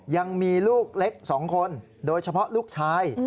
ยังมีลูกเล็ก๒คนโดยเฉพาะลูกชาย